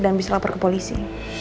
dan bisa lapar ke polisi